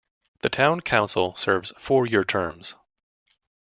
The Town Council serves four-year terms.